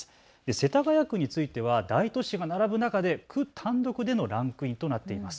世田谷区については大都市が並ぶ中で区単独でのランクインとなっています。